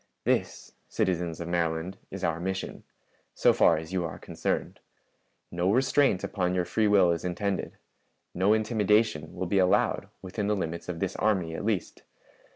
"This, citizens of Maryland, is our mission, so far as yon are concerned. No restraint upon your free will is intended; no intimidation will be allowed within the limits of this army at least.